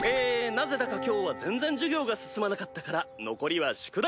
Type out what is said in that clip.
なぜだか今日は全然授業が進まなかったから残りは宿題！